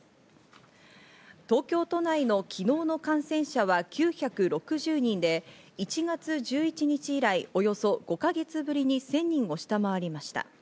東京都内の昨日の感染者は９６０人で、１月１１日以来、およそ５か月ぶりに１０００人を下回りました。